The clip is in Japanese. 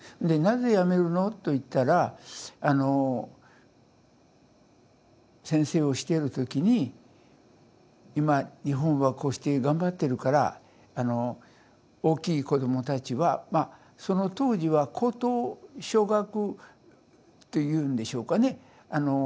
で「なぜ辞めるの？」と言ったらあの先生をしている時に今日本はこうして頑張ってるからあの大きい子どもたちはまあその当時は高等小学と言うんでしょうかね